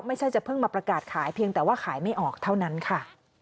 จะเพิ่งมาประกาศขายเพียงแต่ว่าขายไม่ออกเท่านั้นค่ะ